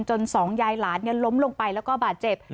สองยายหลานล้มลงไปแล้วก็บาดเจ็บ